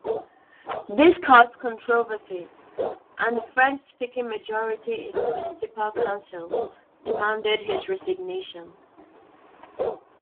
This caused controversy, and the French-speaking majority in the municipal council demanded his resignation.